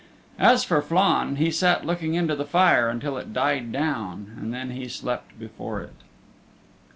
As for Flann, he sat looking into the fire until it died down, and then he slept before it.